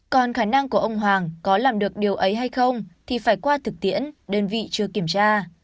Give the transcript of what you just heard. còn khả năng của ông hoàng có làm được điều ấy hay không thì phải qua thực tiễn đơn vị chưa kiểm tra